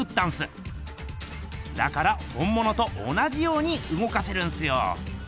だから本ものと同じようにうごかせるんすよ。